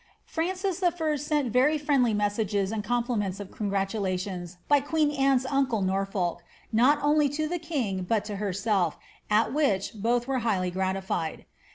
Francis L sent very friendly messages and compliments of congratula tion by queen Anne's uncle Norfolk, not only to the king, but to herself, at which both were highly gratified.